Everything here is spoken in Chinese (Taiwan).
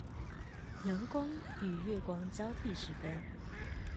陽光與月光交替時分